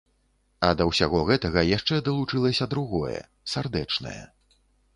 А да ўсяго гэтага яшчэ далучылася другое, сардэчнае.